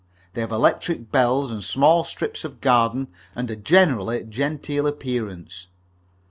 They have electric bells, and small strips of garden, and a generally genteel appearance.